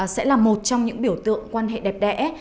sẽ là một trong những biểu tượng quan hệ đẹp đẽ